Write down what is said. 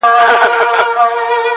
د کابل خلګ د مېلو ډېر شوقيان دي.